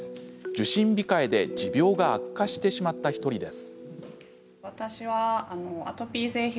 受診控えで持病が悪化してしまった１人です。